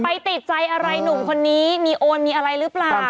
ติดใจอะไรหนุ่มคนนี้มีโอนมีอะไรหรือเปล่า